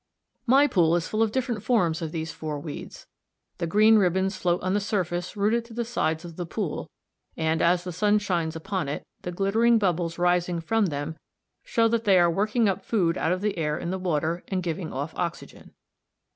My pool is full of different forms of these four weeds. The green ribbons float on the surface rooted to the sides of the pool and, as the sun shines upon it, the glittering bubbles rising from them show that they are working up food out of the air in the water, and giving off oxygen.